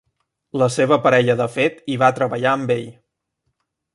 La seva parella de fet hi va treballar amb ell.